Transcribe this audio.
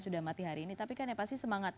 cuman gimana sekarang gitu